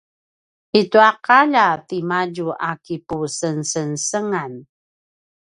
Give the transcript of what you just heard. i tju’alja timadju a kipusengsengsengan